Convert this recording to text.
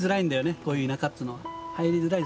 こういう田舎っていうのは入りづらい。